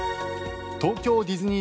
東京ディズニー